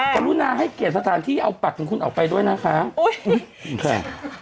กรุณาให้เกียรติสถานที่เอาบัตรของคุณออกไปด้วยนะคะอุ้ยค่ะ